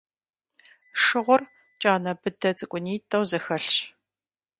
Шыгъур кӀанэ быдэ цӀыкӀунитӀэу зэхэлъщ.